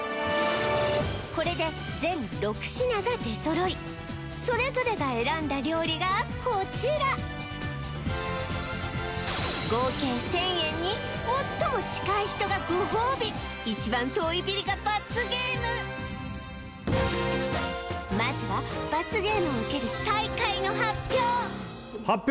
これで全６品が出揃いそれぞれが選んだ料理がこちら合計１０００円に最も近い人がごほうび一番遠いビリが罰ゲームまずは罰ゲームを受ける最下位の発表発表